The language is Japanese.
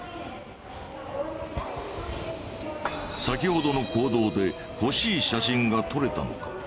先ほどの行動で欲しい写真が撮れたのか？